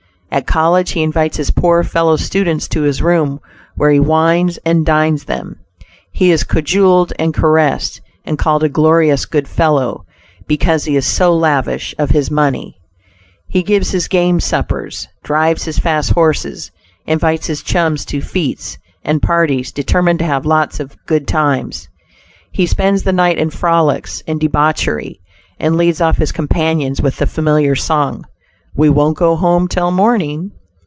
At college, he invites his poor fellow students to his room, where he "wines and dines" them. He is cajoled and caressed, and called a glorious good follow, because he is so lavish of his money. He gives his game suppers, drives his fast horses, invites his chums to fetes and parties, determined to have lots of "good times." He spends the night in frolics and debauchery, and leads off his companions with the familiar song, "we won't go home till morning."